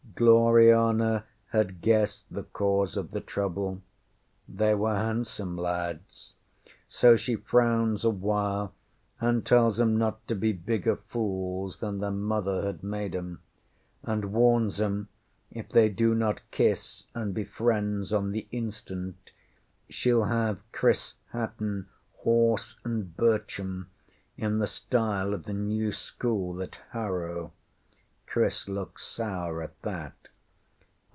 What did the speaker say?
Gloriana had guessed the cause of the trouble. They were handsome lads. So she frowns a while and tells ŌĆśem not to be bigger fools than their mothers had made ŌĆśem, and warns ŌĆśem, if they do not kiss and be friends on the instant, sheŌĆÖll have Chris Hatton horse and birch ŌĆśem in the style of the new school at Harrow. (Chris looks sour at that.)